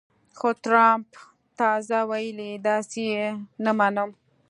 خو ټرمپ تازه ویلي، داسې یې نه منم